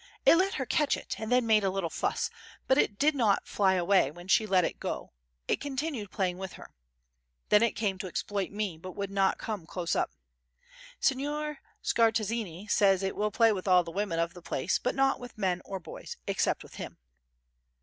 It let her catch it, and then made a little fuss, but it did not fly away when she let it go, it continued playing with her. Then it came to exploit me but would not come close up. Signor Scartazzini says it will play with all the women of the place but not with men or boys, except with him.